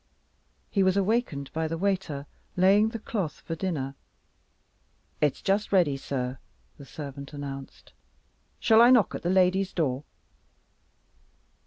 He was awakened by the waiter, laying the cloth for dinner. "It's just ready, sir," the servant announced; "shall I knock at the lady's door?"